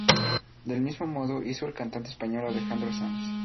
Del mismo modo hizo el cantante español Alejandro Sanz.